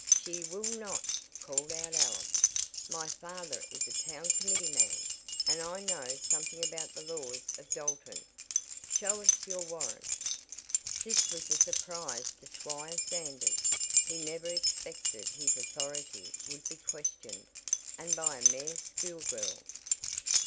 "She will not!" called out Alice. "My father is a town committeeman and I know something about the laws of Dalton. Show us your warrant!" This was a surprise to Squire Sanders. He never expected his authority would be questioned and by a mere schoolgirl.